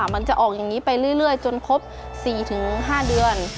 มันจะออกอย่างนี้ไปเรื่อยจนครบ๔๕เดือน